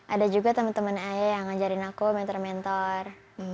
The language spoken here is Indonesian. ada juga teman teman ayah yang ngajarin aku mentor mentor